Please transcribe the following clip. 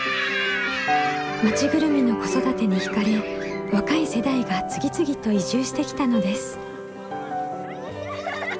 町ぐるみの子育てに惹かれ若い世代が次々と移住してきたのです。